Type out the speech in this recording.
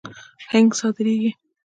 هنګ صادریږي.